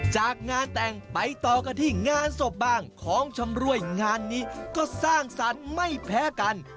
จากงานแต่งไปต่อกันที่งานศพบ้างของชำรวยงานนี้ก็สร้างสรรค์ไม่แพ้กัน